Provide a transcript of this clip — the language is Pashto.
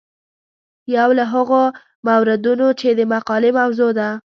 یو له هغو موردونو چې د مقالې موضوع ده.